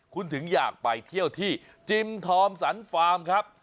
คุณถึงอยากไปเที่ยวที่จิมทอมสันฟาร์มครับ